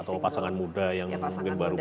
atau pasangan muda yang baru punya satu anak